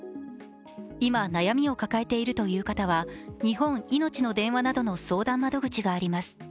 今、悩みを抱えているという方は日本いのちの電話窓口などの相談窓口があります